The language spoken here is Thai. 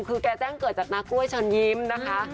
คือแกแจ้งเกิดจากนากล้วยเชิญยิ้มนะคะ